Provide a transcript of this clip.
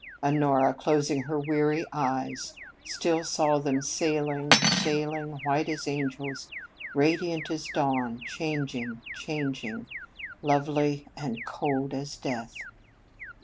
Honora, closing weary eyes, still saw them sailing, sailing, white as angels, radiant as dawn, changing, changing, lovely and cold as death.